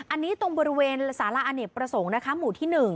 อันนี้ตรงบริเวณสาระอเนกประสงค์นะคะหมู่ที่๑